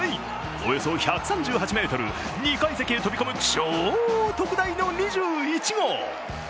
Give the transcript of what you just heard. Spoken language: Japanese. およそ１３８ｍ、２階席へ飛び込む超特大の２１号。